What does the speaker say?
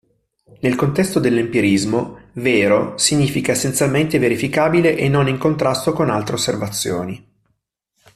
Nel contesto dell'empirismo, “vero” significa essenzialmente verificabile e non in contrasto con altre osservazioni.